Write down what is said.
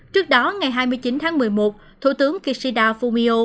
trước đó ngày hai mươi chín tháng một mươi một thủ tướng kishida fumio